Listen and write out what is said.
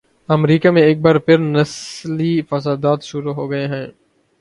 امریکہ میں ایک بار پھر نسلی فسادات شروع ہوگئے ہیں۔